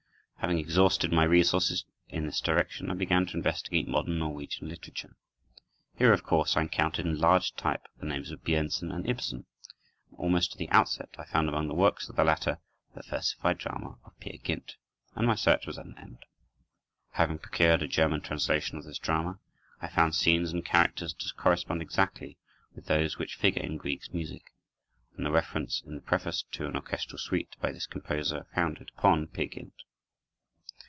Having exhausted my resources in this direction, I began to investigate modern Norwegian literature. Here, of course, I encountered, in large type, the names of Björnson and Ibsen, and almost at the outset I found among the works of the latter the versified drama of "Peer Gynt," and my search was at an end. Having procured a German translation of this drama, I found scenes and characters to correspond exactly with those which figure in Grieg's music, and a reference in the preface to an orchestral suite, by this composer, founded upon "Peer Gynt."